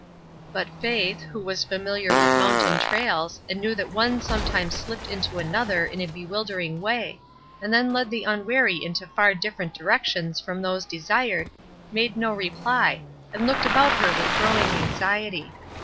But Faith, who was familiar with mountain trails, and knew that one sometimes slipped into another in a bewildering way, and then led the unwary in far different directions from those desired, made no reply, and looked about her with growing anxiety.